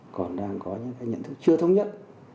còn đang có những cái nhận thức chưa thống nhất